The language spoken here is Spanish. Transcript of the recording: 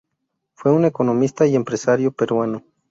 Fue un economista y empresario peruano.